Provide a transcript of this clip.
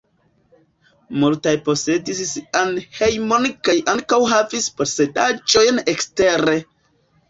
Multaj posedis sian hejmon kaj ankaŭ havis posedaĵojn ekstere.